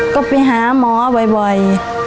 ก็ไปหาหมอบ่อย